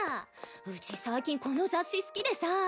うち最近この雑誌好きでさ。